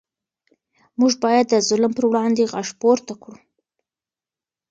موږ باید د ظلم پر وړاندې غږ پورته کړو.